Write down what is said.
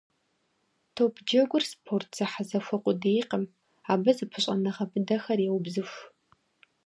Топджэгур спорт зэхьэзэхуэ къудейкъым, абы зэпыщӏэныгъэ быдэхэр еубзыху.